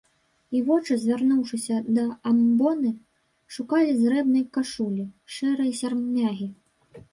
І вочы, звярнуўшыся да амбоны, шукалі зрэбнай кашулі, шэрай сярмягі.